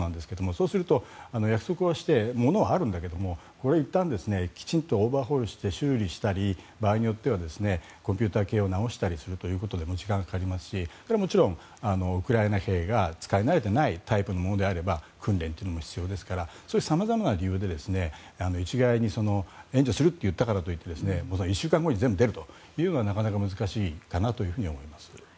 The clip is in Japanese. そうすると、約束はして物はあるんだけれどもいったんきちんとオーバーホールして修理したり場合によってはコンピューター系を直したりするということで時間がかかりますしもちろんウクライナ兵が使い慣れていないタイプのものであれば訓練も必要ですからそういう様々な理由で一概に援助するといったからといって１週間後に全部出るというのはなかなか難しいかなと思います。